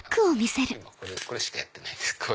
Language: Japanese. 今これしかやってないです。